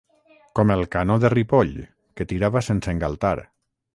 Com el canó de Ripoll, que tirava sense engaltar.